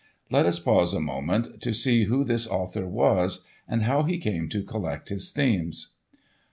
Let us pause a moment to see who this author was, and how he came to collect his themes.